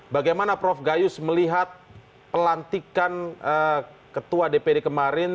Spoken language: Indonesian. bagaimana prof gayus melihat pelantikan ketua dpd kemarin